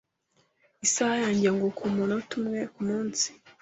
Isaha yanjye yunguka umunota umwe kumunsi.